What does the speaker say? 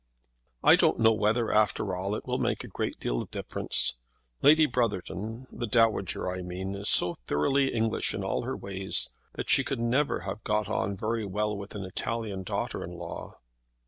"I don't know whether, after all, it will make a great deal of difference. Lady Brotherton, the Dowager I mean, is so thoroughly English in all her ways that she never could have got on very well with an Italian daughter in law."